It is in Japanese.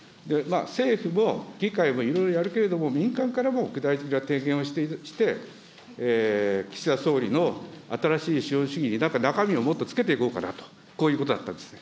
政府も議会もいろいろやるけれども、民間からも具体的な提言をして、岸田総理の新しい資本主義に、中身をもってつけていこうかなと、こういうことだったんですね。